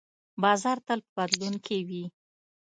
بازار تل په بدلون کې وي.